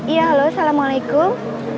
iya halo assalamualaikum